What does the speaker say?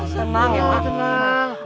tenang ya mak tenang